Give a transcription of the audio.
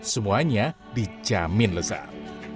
semuanya dijamin lesat